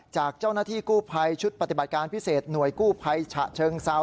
จากเจ้าหน้าที่กู้ภัยชุดปฏิบัติการพิเศษหน่วยกู้ภัยฉะเชิงเซา